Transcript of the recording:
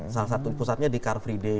salah satu pusatnya di car free day